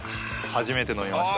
初めて飲みました。